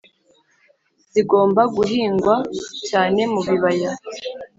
zigomba guhingwa cyane mubibaya